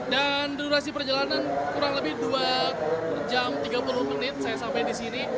dan durasi perjalanan kurang lebih dua jam tiga puluh menit saya sampai di sini